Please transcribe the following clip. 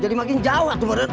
jali makin jauh atuh bener